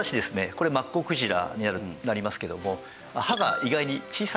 これマッコウクジラになりますけども歯が意外に小さいですよね。